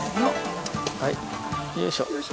はいよいしょ。